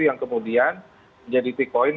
yang kemudian menjadi t coin